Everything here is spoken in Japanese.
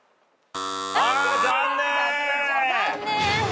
残念！